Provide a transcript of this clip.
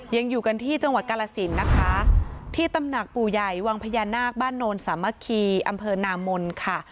ยังอยู่กันที่จังหวัดกาลสินนะคะที่ตำหนักปู่ใหญ่วังพญานาคบ้านโนนสามัคคีอำเภอนามนค่ะ